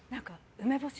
梅干し？